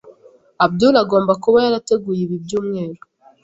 Abdul agomba kuba yarateguye ibi byumweru.